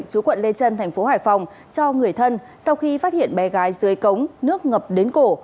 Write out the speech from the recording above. chú quận lê trân thành phố hải phòng cho người thân sau khi phát hiện bé gái dưới cống nước ngập đến cổ